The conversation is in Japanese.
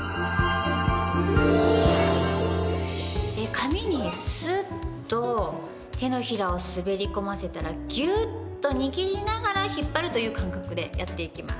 髪にスッと手のひらを滑り込ませたらギュッと握りながら引っ張るという感覚でやっていきます。